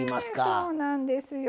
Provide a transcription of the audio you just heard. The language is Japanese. そうなんですよ。